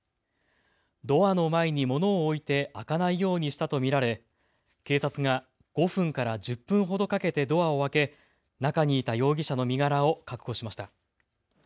ドアの前に物を置いて開かないようにしたと見られ警察が５分から１０分ほどかけてドアを開け、中にいた容疑者の身柄を確保しました。